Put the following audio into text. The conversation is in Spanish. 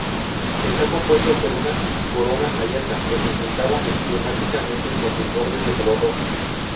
Está compuesto por una corona abierta, representada esquemáticamente con sus bordes de color rojo.